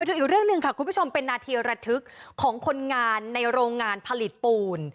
ดูอีกเรื่องหนึ่งค่ะคุณผู้ชมเป็นนาทีระทึกของคนงานในโรงงานผลิตปูน